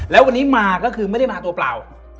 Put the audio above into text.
แล้ววันนี้มาก็คือไม่ได้มาตัวเปล่า